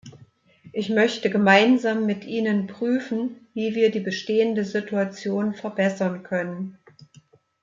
Ich möchte gemeinsam mit Ihnen prüfen, wie wir die bestehende Situation verbessern können.